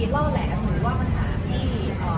ร่อแหละหรือว่าปัญหาที่